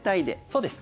そうです。